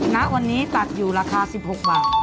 ณวันนี้ตัดอยู่ราคา๑๖บาท